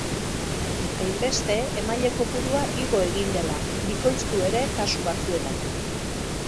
Hainbeste, emaile kopurua igo egon dela, bikoiztu ere kasu batzuetan.